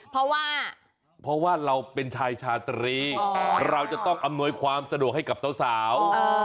เพราะว่าเพราะว่าเราเป็นชายชาตรีเราจะต้องอำนวยความสะดวกให้กับสาว